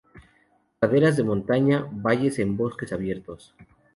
Praderas de montaña, valles en bosques abiertos.